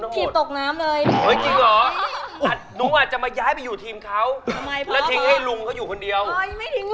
ผมไม่อาจจะแนะกลับคอบค่าดนี่สิ